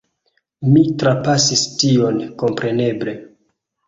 Mi trapasis tion, kompreneble.